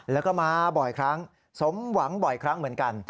แล้วก็มาบ่อยครั้งสมหวังบ่อยครั้งเหมือนกัน